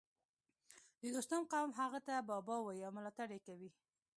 د دوستم قوم هغه ته بابا وايي او ملاتړ یې کوي